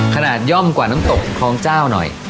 ย่อมกว่าน้ำตกคลองเจ้าหน่อย